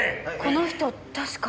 この人確か。